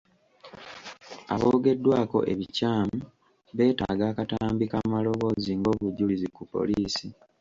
Aboogeddwako ebikyamu beetaaga akatambi k'amaloboozi ng'obujulizi ku poliisi.